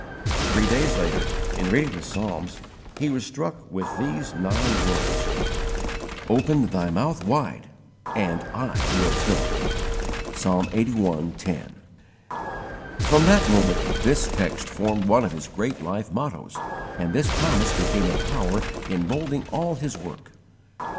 Three days later, in reading the Psalms, he was struck with these nine words: "OPEN THY MOUTH WIDE, AND I WILL FILL IT." (Psalm lxxxi. 10.) From that moment this text formed one of his great life mottoes, and this promise became a power in moulding all his work.